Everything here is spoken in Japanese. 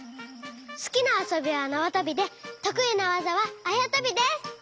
すきなあそびはなわとびでとくいなわざはあやとびです！